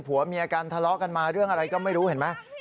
ผัวเมียกันทะเลาะกันมาเรื่องอะไรก็ไม่รู้เห็นไหม